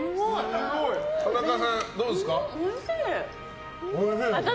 田中さん、どうですか。